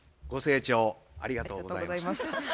ご静聴ありがとうございました。